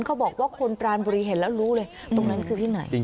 เขาบอกว่าคนปรานบุรีเห็นแล้วรู้เลยตรงนั้นคือที่ไหน